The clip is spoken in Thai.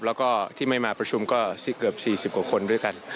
แล้วก็ที่ไม่มาประชุมก็เกือบ๔๐กว่าคนด้วยกัน